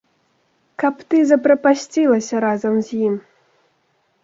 Каб ты запрапасцілася разам з ім!